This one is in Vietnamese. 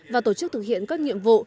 và tổ chức thực hiện các nhiệm vụ